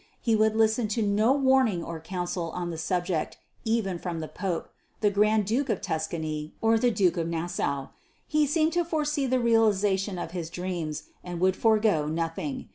He would listen to no warning or counsel on the subject even from the Pope, the Grand Duke of Tuscany, or the Duke of Nassau. He seemed to foresee the realization of his dreams, and would forego nothing.